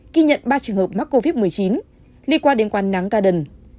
ghi nhận ba trường hợp mắc covid một mươi chín liên quan đến quán nắng ca đần